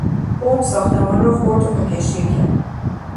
بمب ساختمان را خردو خاک شیر کرد.